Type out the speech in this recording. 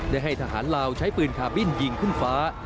ได้ให้ทหารลาวใช้ปืนคาบินยิงขึ้นฟ้า